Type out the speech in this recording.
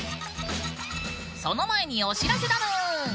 その前にお知らせだぬーん！